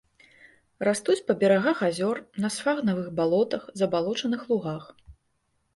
Растуць па берагах азёр, на сфагнавых балотах, забалочаных лугах.